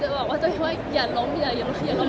จะบอกกับตัวเองว่าอย่าล้มอย่าล้มอย่าล้ม